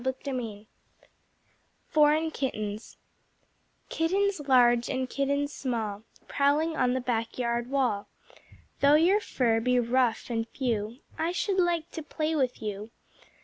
Foreign Kittens Kittens large and Kittens small, Prowling on the Back Yard Wall, Though your fur be rough and few, I should like to play with you.